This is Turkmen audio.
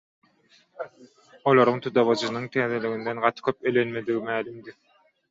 Olaryň tutawajynyň täzeliginden gaty köp ellenmedigi mälimdi.